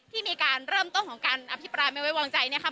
ที่มีการเริ่มต้นของการอภิปรายไม่ไว้วางใจนะคะ